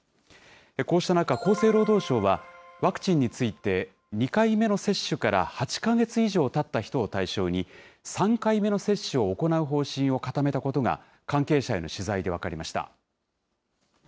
こうした中、厚生労働省はワクチンについて、２回目の接種から８か月以上たった人を対象に、３回目の接種を行う方針を固めたことが、関係者への取材で分かりました。